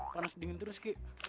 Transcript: panas dingin terus kik